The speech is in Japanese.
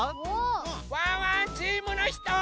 ワンワンチームのひと！